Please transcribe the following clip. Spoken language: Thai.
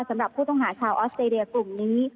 สำหรับผู้ต้องหาชาวออสเตรเลียกลุ่มนี้